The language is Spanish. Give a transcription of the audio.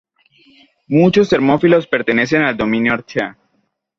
Muchos termófilos pertenecen al dominio Archaea.